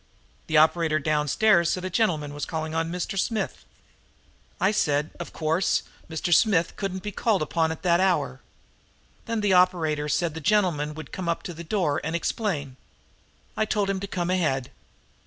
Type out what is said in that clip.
The operator downstairs said a gentleman was calling on Mr. Smith. I said, of course, that Mr. Smith couldn't be called on at that hour. Then the operator said the gentleman would come up to the door and explain. I told him to come ahead.